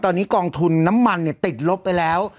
ตอนนี้กองทุนน้ำมันเนี่ยติดลบไปแล้ว